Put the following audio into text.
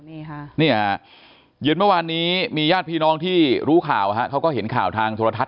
เปลี่ยนจากที่เย็นเมื่อวานยกขั้งวันนี้มีหญ้ายาดพี่น้องที่รู้ข่าวฮะเขาก็เห็นข่าวทางโสลทัศน์